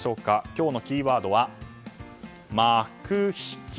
今日のキーワードは「マクヒキ」